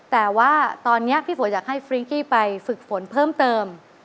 แต่ว่าตอนนี้พี่ฝนอยากให้ฟริ้งกี้ไปฝึกฝนเพิ่มเติม